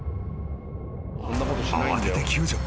［慌てて救助。